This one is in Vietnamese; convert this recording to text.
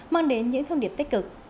mang đến những thông điệp tích cực